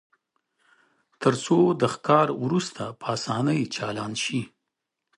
ترڅو د ښکار وروسته په اسانۍ چالان شي